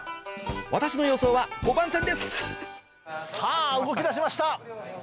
私の予想は５番線ですさぁ動き出しました！